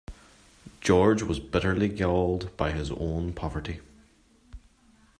George was bitterly galled by his own poverty.